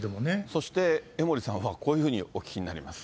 そして、江森さんはこういうふうにお聞きになります。